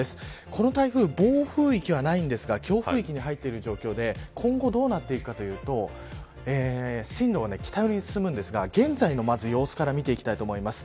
この台風暴風域はないんですが強風域に入っている状況で今後どうなっていくかというと進路は北寄りに進むんですがまず現在の様子から見ていきたいと思います。